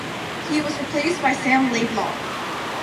He was replaced by Sam Laidlaw.